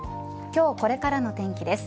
今日これからの天気です。